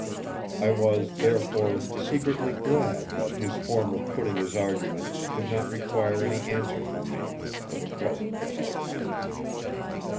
I was, therefore, secretly glad that his form of putting his argument did not require any answer from me—for the present, at all events.